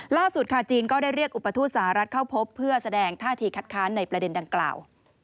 ล่าสุดค่ะจีนก็ได้เรียกอุปทูตสหรัฐเข้าพบเพื่อแสดงท่าทีคัดค้านในประเด็นดังกล่าว